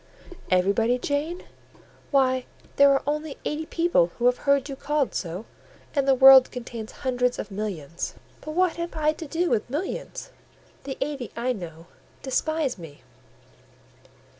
"Everybody, Jane? Why, there are only eighty people who have heard you called so, and the world contains hundreds of millions." "But what have I to do with millions? The eighty, I know, despise me."